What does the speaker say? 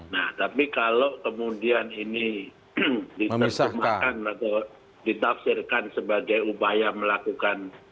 nah tapi kalau kemudian ini ditakdirkan sebagai upaya melakukan